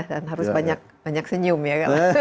dan harus banyak senyum ya